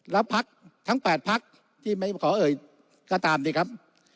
แล้วพักทั้ง๘พักที่ไม่ขอเอ่ยก็ตามสิครับ